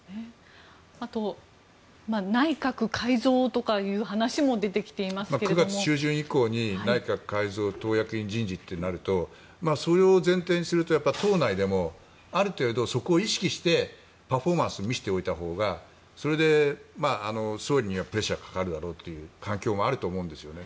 あと内閣改造とかいう話も９月中旬以降に内閣改造、党役員人事となるとそれを前提にすると党内でもある程度そこを意識してパフォーマンスを見せておいたほうがそれで総理にはプレッシャーがかかるだろうという環境もあると思うんですよね。